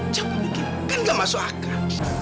jauh mungkin kan gak masuk akal